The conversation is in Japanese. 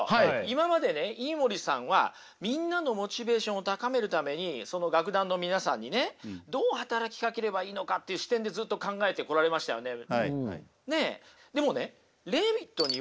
今までね飯森さんはみんなのモチベーションを高めるためにその楽団の皆さんにねどう働きかければいいのかっていう視点でずっと考えてこられましたよね。